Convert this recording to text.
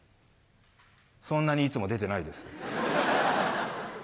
そんなにいつも出てないです。